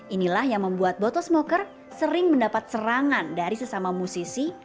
inilah yang membuat bottlesmoker sering mendapat serangan dari sesama musisi